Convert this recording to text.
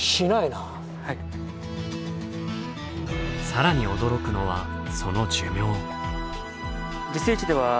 更に驚くのはその寿命。